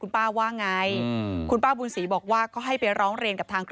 ป้าว่าไงคุณป้าบุญศรีบอกว่าก็ให้ไปร้องเรียนกับทาง